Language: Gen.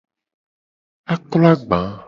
Aklo agba.